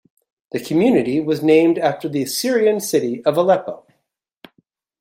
The community was named after the Syrian city of Aleppo.